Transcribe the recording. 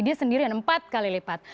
dia sendiri yang empat kali lipat